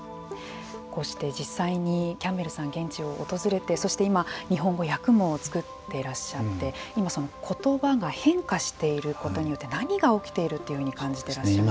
こうして実際にキャンベルさん、現地を訪れてそして今日本語訳も作っていらっしゃって今、言葉が変化していることによって何が起きているというふうに感じていらっしゃいますか。